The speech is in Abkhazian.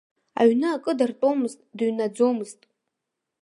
Аҩны акы дартәомызт, дыҩнаӡомызт.